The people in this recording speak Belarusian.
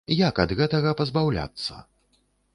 Як ад гэтага пазбаўляцца?